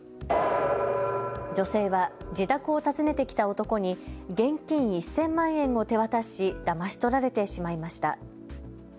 女性は自宅を訪ねてきた男に現金１０００万円を手渡しだまし取られてしまいました。